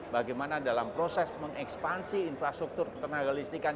bagaimana dalam proses mengekspansi infrastruktur tenaga listrikan